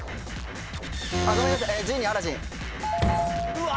うわ！